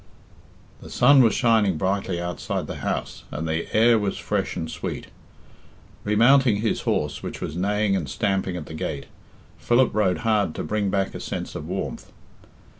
The sun was shining brightly outside the house, and the air was fresh and sweet. Remounting his horse, which was neighing and stamping at the gate, Philip rode hard to bring back a sense of warmth.